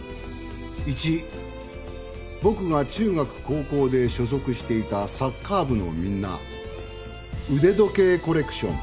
「一僕が中学高校で所属していたサッカー部のみんな腕時計コレクション」